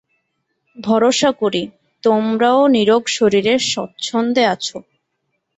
ভরসা করি, তোমরাও নীরোগ শরীরে স্বচ্ছন্দে আছ।